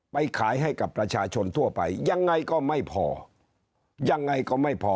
ไปขายให้กับประชาชนทั่วไปยังไงก็ไม่พอ